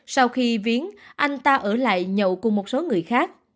sau khi viến anh ta ở lại nhậu cùng một số người khác